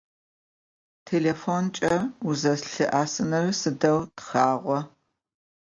Телефонкӏэ узэлъыӏэсыныр сыдэу тхъагъо.